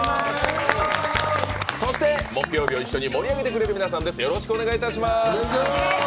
そして木曜日を一緒に盛り上げてくれる皆さんです。